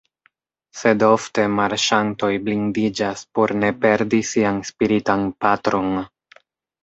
Sed ofte marŝantoj blindiĝas por ne perdi sian spiritan patron.